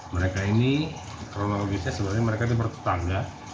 mereka ini kronologisnya sebenarnya mereka dipertangga